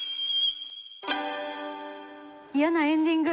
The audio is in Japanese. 嫌なエンディング。